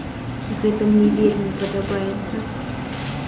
Гэта мне вельмі падабаецца.